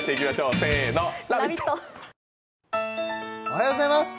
おはようございます！